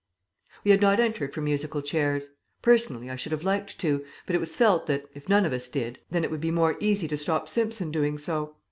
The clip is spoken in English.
We had not entered for musical chairs. Personally I should have liked to, but it was felt that, if none of us did, then it would be more easy to stop Simpson doing so.